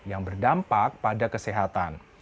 yang berdampak pada kesehatan